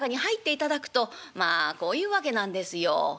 まあこういうわけなんですよ」。